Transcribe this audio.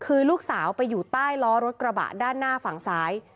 คือลูกสาวไปอยู่ใต้ล้อรถกระบะด้านหน้าฝั่งซ้าย